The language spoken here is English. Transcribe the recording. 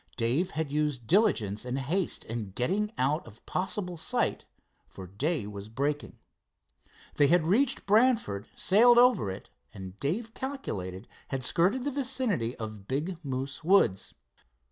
Dave had used diligence and haste in getting out of possible sight, for day was breaking. They had reach Brantford, sailed over it, and Dave calculated had skirted the vicinity of Big Moose Woods.